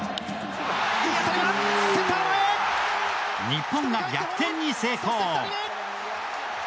日本が逆転に成功！